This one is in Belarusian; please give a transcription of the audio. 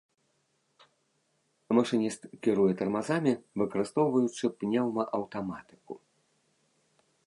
Машыніст кіруе тармазамі, выкарыстоўваючы пнеўмааўтаматыку.